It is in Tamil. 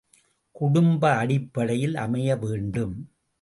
குடும்ப அடிப்படையில் அமைய வேண்டும்.